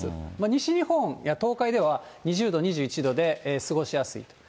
西日本や東海では２０度、２１度で過ごしやすい。